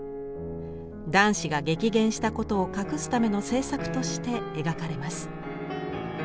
男子が激減したことを隠すための政策として描かれます。